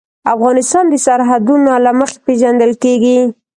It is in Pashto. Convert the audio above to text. افغانستان د سرحدونه له مخې پېژندل کېږي.